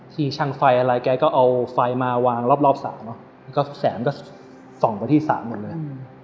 ช่างไฟอะไรแกก็เอาไฟมาวางรอบสระเนอะแล้วก็แสงก็ส่องไปที่สระหมดเลย